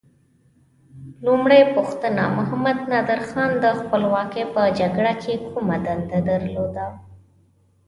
لومړۍ پوښتنه: محمد نادر خان د خپلواکۍ په جګړه کې کومه دنده درلوده؟